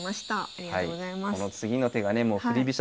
ありがとうございます。